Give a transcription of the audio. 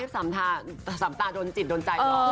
สำเทพสามตาโดนจิตโดนใจเหรอ